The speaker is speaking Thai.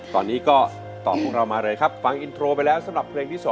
ตอนนี้ก็ตอบของเรามาเลยครับฟังอินโทรไปแล้วสำหรับเพลงที่๒